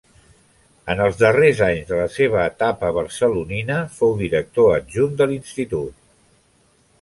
En els darrers anys de la seva etapa barcelonina fou director adjunt de l'Institut.